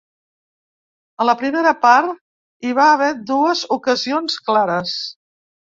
A la primera part hi ha va haver dues ocasions clares.